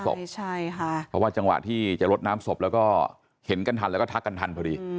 เพราะว่าจังหวะที่จะลดน้ำศพแล้วก็เห็นกันทันแล้วก็ทักกันทันพอดี